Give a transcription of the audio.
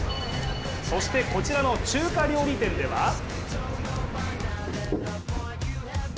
そしてこちらの中華料理店では？